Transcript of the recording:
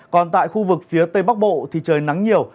còn tại khu vực phía tây bắc bộ thì trời nắng nhiều